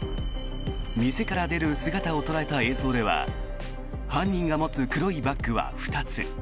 店から出る姿を捉えた映像では犯人が持つ黒いバッグは２つ。